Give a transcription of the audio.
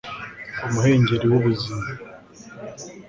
Umuhengeri wubuzima